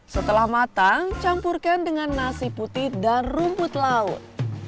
setelah matang campurkan dengan nasi putih dan rumput laut